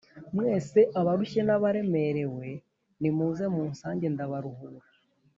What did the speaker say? “mwese abarushye n’abaremerewe, nimuze munsange ndabaruhura”